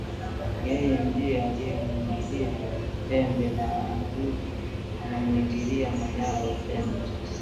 Yeye ndiye aliyemwingilia tembe na anarudi anamwingilia mwanawe tembe